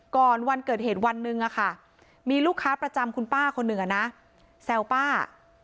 วันเกิดเหตุวันหนึ่งมีลูกค้าประจำคุณป้าคนหนึ่งแซวป้า